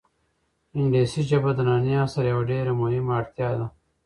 انګلیسي ژبه د ننني عصر یوه ډېره مهمه اړتیا ده.